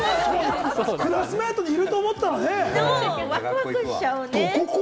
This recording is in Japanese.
クラスメイトにいると思ったらね、どこ校？